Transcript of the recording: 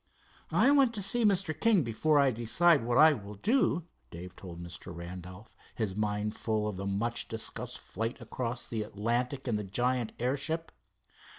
"I want to see Mr. King before I decide what I will do," Dave told Mr. Randolph, his mind full of the much discussed flight across the Atlantic in the giant airship.